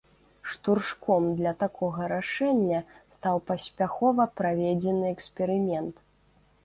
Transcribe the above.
Штуршком для такога рашэння стаў паспяхова праведзены эксперымент.